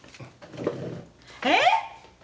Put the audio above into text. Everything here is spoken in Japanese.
えっ！？